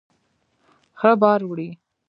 خره بار وړي.